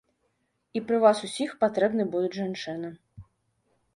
І пры вас усіх патрэбны будуць жанчыны.